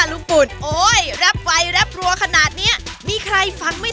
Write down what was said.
คุณลุงเนี่ยที่แรปออกมาเนี่ยเป็นชื่อขนมนี่